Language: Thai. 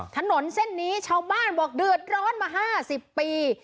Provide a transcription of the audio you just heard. ถนนเส้นนี้ชาวบ้านบอกเดือดร้อนมา๕๐ปี